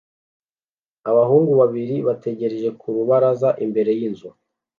Abahungu babiri bategereje ku rubaraza imbere yinzu